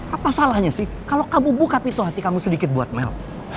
apa salahnya sih kalau kamu buka pintu hati kamu sedikit buat mel